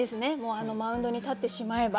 あのマウンドに立ってしまえば。